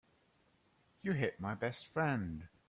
You hit my best friend.